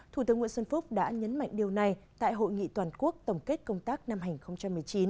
thủ tướng nguyễn xuân phúc đã nhấn mạnh điều này tại hội nghị toàn quốc tổng kết công tác năm hai nghìn một mươi chín